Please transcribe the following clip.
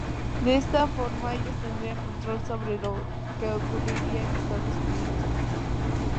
De esta forma ellos tendrían control sobre lo que ocurriera en los Estados Unidos.